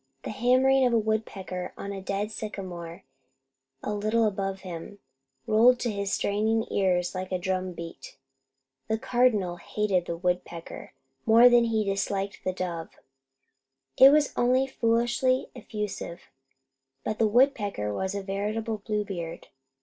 The hammering of a woodpecker on a dead sycamore, a little above him, rolled to his straining ears like a drum beat. The Cardinal hated the woodpecker more than he disliked the dove. It was only foolishly effusive, but the woodpecker was a veritable Bluebeard.